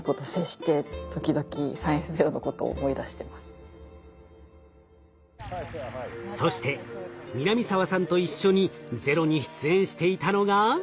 その時にそして南沢さんと一緒に「ＺＥＲＯ」に出演していたのが。